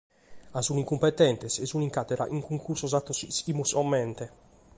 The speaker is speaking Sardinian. Ca sunt incompetentes e sunt in càtedra cun cuncursos fatos ischimus comente.